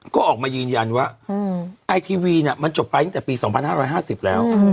ก็ออกมายืนยันว่าไอทีวีเนี่ยมันจบไปตั้งแต่ปี๒๕๕๐แล้ว